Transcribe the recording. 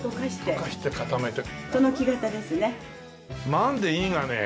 まんでいいがね。